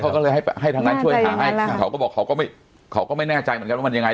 เขาก็เลยให้ให้ทางนั้นช่วยหาให้เขาก็บอกเขาก็ไม่เขาก็ไม่แน่ใจเหมือนกันว่ามันยังไง